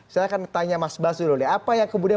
saya akan tanya mas bas dulu deh apa yang kemudian